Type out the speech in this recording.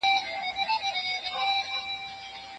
جلاوالی ټولنه کمزورې کوي.